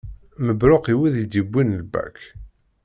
Mebruk i wid i d-yewwin lbak.